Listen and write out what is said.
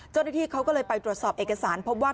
จติที่เขาก็เลยไปตรวจสอบเอกสารเพราะว่า